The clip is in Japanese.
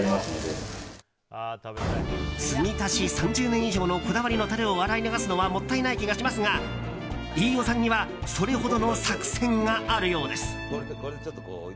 ３０年以上のこだわりのタレを洗い流すのはもったいない気がしますが飯尾さんにはそれほどの作戦があるようです。